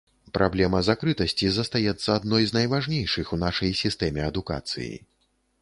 Праблема закрытасці застаецца адной з найважнейшых у нашай сістэме адукацыі.